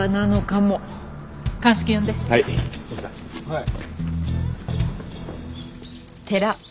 はい。